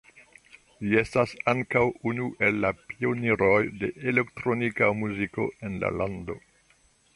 Li estas ankaŭ unu el la pioniroj de elektronika muziko en la lando.